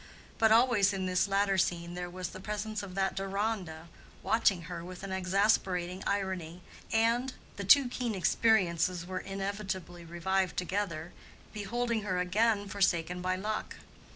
But always in this latter scene there was the presence of that Deronda, watching her with exasperating irony, and—the two keen experiences were inevitably revived together—beholding her again forsaken by luck.